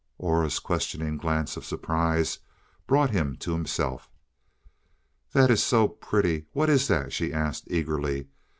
Aura's questioning glance of surprise brought him to himself. "That is so pretty what is that?" she asked eagerly.